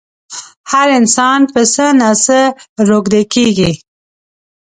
هر انسان په څه نه څه روږدی کېږي.